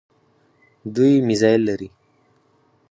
دوی میزایل لري.